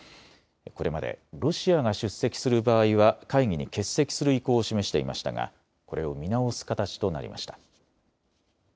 これまでロシアが出席する場合は会議に欠席する意向を示していましたがこれを見直す形となりました。